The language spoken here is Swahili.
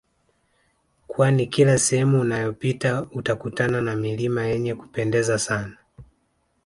Kwani kila sehemu unayopita utakutana na milima yenye Kupendeza sana